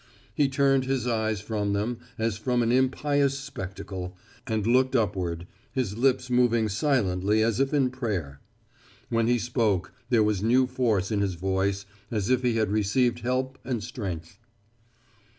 He turned his eyes from them as from an impious spectacle, and looked upward, his lips moving silently as if in prayer. When he spoke, there was new force in his voice, as if he had received help and strength.